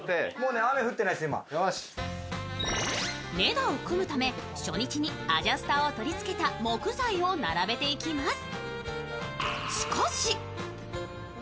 根太を組むため初日にアジャスターを取り付けた木材を並べていきます。